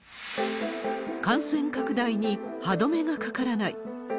感染拡大に歯止めがかからない。